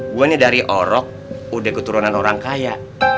gue nih dari orok udah keturunan orang kaya